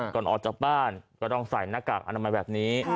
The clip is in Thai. ก่อนออกจากบ้านก็ต้องใส่หน้ากากอนามัยแบบนี้